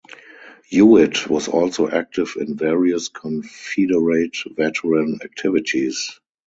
Hewitt was also active in various Confederate Veteran activities.